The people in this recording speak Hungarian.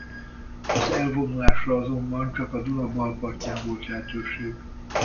Az elvonulásra azonban csak a Duna bal partján volt lehetőség.